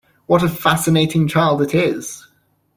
What a fascinating child it is!